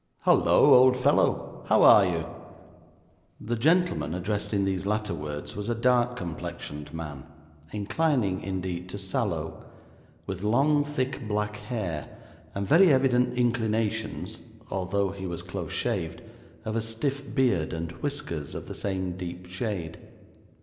Holloa, old fellow, how are you?' The gentleman addressed in these latter words was a dark complexioned man, inclining indeed to sallow, with long thick black hair, and very evident inclinations (although he was close shaved) of a stiff beard, and whiskers of the same deep shade.